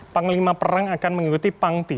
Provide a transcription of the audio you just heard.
panglima perang akan mengikuti pangti